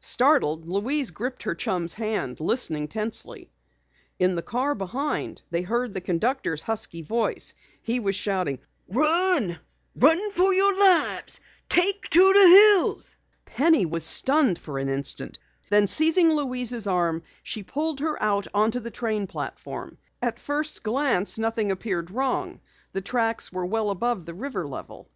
Startled, Louise gripped her chum's hand, listening tensely. In the car behind, they heard the conductor's husky voice. He was shouting: "Run! Run, for your lives! Take to the hills!" Penny was stunned for an instant. Then seizing Louise's arm, she pulled her out on the train platform. At first glance nothing appeared wrong. The tracks were well above the river level.